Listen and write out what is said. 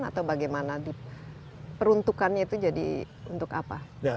atau bagaimana diperuntukannya itu jadi untuk apa